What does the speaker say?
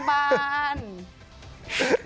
นั่งไขว้ห้างกางเกงดาม